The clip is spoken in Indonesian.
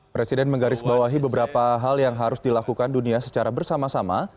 presiden menggarisbawahi beberapa hal yang harus dilakukan dunia secara bersama sama